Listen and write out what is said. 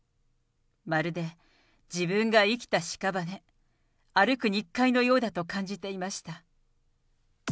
まるで自分が生きたしかばね、歩く肉塊のようだと感じていました。